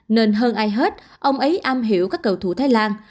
nên hơn ai hết ông ấy am hiểu các cầu thủ thái lan